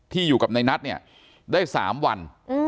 ที่อยู่กับนางสาวนี้ได้๓วัน